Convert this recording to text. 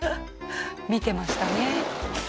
見てましたね。